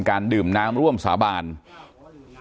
ข้าพเจ้านางสาวสุภัณฑ์หลาโภ